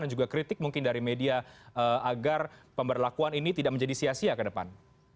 dan juga kritik mungkin dari media agar pemberlakuan ini tidak menjadi sia sia ke depan